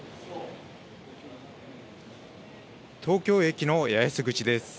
東京駅の八重洲口です。